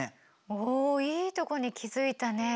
おいいとこに気付いたね。